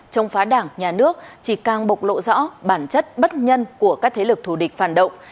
chống phá đảng nhà nước chỉ càng bộc lộ rõ bản chất bất nhân của các thế lực thù địch phản động